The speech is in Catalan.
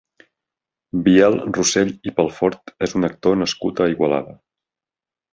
Biel Rossell i Pelfort és un actor nascut a Igualada.